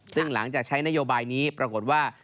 ซึ่งหลังจากใช้นโยบายนี้ปรากฏว่า